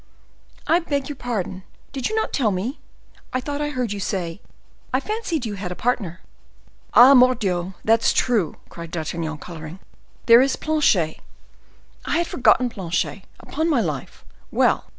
"I beg your pardon—did you not tell me?—I thought I heard you say—I fancied you had a partner—" "Ah! Mordioux! that's true," cried D'Artagnan, coloring; "there is Planchet. I had forgotten Planchet, upon my life! Well!